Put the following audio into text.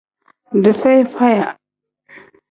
Dii feyi faya.